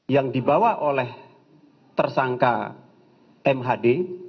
yang dibawa oleh tersangka mhd